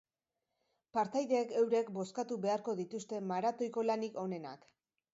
Partaideek eurek bozkatu beharko dituzte maratoiko lanik onenak